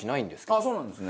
あっそうなんですね。